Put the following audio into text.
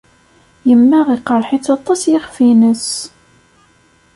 Yemma iqerreḥ-itt aṭas yiɣef-nnes.